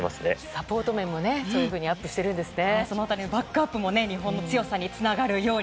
サポート面もアップしているんですね。